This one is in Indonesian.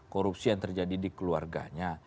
korupsi yang terjadi di keluarganya